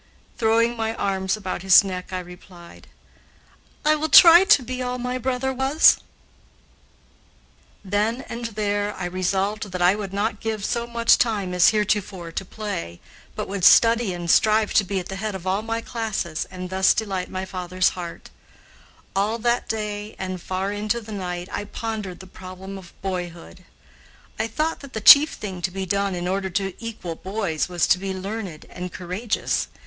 Throwing my arms about his neck, I replied: "I will try to be all my brother was." [Illustration: MARGARET LIVINGSTON CADY.] [Illustration: JUDGE DANIEL CADY.] Then and there I resolved that I would not give so much time as heretofore to play, but would study and strive to be at the head of all my classes and thus delight my father's heart. All that day and far into the night I pondered the problem of boyhood. I thought that the chief thing to be done in order to equal boys was to be learned and courageous.